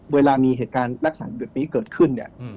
เวลามีเหตุการณ์รักษาหัวดีเบือกนี้เกิดขึ้น